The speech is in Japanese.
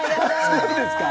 そうですか。